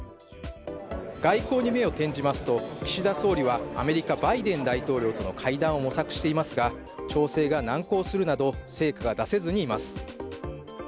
外交に目を転じますと、岸田総理はアメリカ・バイデン大統領との会談を模索していますが、調整が難航するなど成果が出せずにいます。